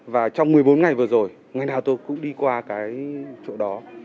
và trong một mươi bốn ngày vừa rồi ngày nào tôi cũng đi qua cái chỗ đó